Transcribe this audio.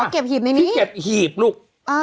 อ๋อเก็บหีบในนี้ที่เก็บหีบลูกอ่า